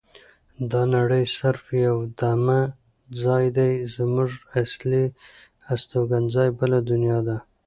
دا نړۍ صرف یو دمه ځای دی زمونږ اصلي استوګنځای بله دنیا ده.